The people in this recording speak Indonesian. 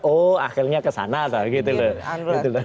oh akhirnya kesana gitu loh